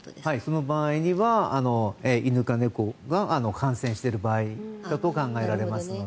その場合には犬か猫が感染している場合だと考えられますので。